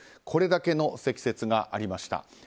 これだけの積雪がありました。